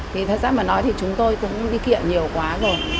thì thật ra mà nói thì chúng tôi cũng đi kiện nhiều quá rồi